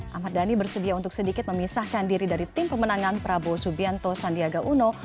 ahmad dhani bersedia untuk sedikit memisahkan diri dari tim pemenangan prabowo subianto sandiaga uno